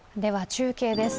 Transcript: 中継です。